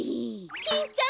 キンちゃん！